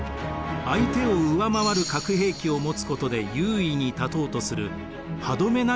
相手を上回る核兵器を持つことで優位に立とうとする歯止め